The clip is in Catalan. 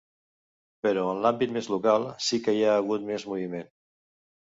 Però en l’àmbit més local, sí que hi ha hagut més moviment.